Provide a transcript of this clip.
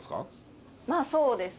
まあそうですね。